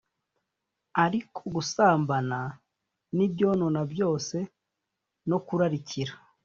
ariko gusambana n ibyonona byose no kurarikira